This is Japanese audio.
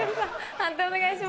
判定お願いします。